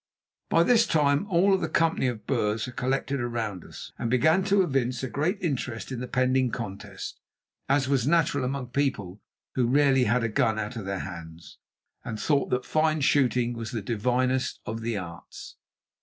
By this time all the company of Boers had collected round us, and began to evince a great interest in the pending contest, as was natural among people who rarely had a gun out of their hands, and thought that fine shooting was the divinest of the arts.